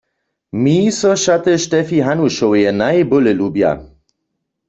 Mi so šaty Štefi Hanušoweje najbóle lubja.